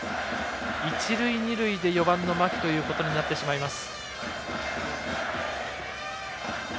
一塁二塁で４番の牧ということになってしまいます。